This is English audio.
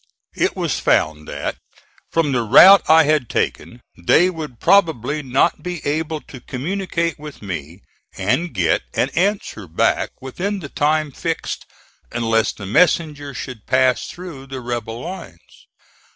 It was found that, from the route I had taken, they would probably not be able to communicate with me and get an answer back within the time fixed unless the messenger should pass through the rebel lines.